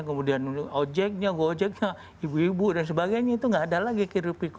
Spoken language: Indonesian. kemudian ojeknya gojeknya ibu ibu dan sebagainya itu nggak ada lagi kiri kiku